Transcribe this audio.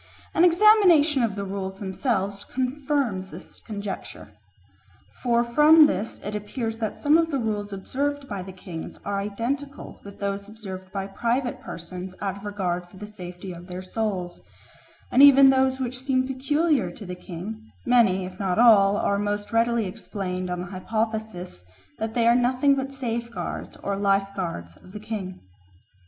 An examination of the rules themselves confirms this conjecture. For from this it appears that some of the rules observed by the kings are identical with those observed by private persons out of regard for the safety of their souls; and even of those which seem peculiar to the king, many, if not all, are most readily explained on the hypothesis that they are nothing but safeguards or lifeguards of the king.